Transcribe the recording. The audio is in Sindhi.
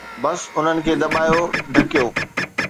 بس انهن کي دٻايو، ڍڪيو.